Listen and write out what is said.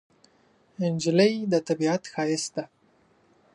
نجلۍ د طبیعت ښایست ده.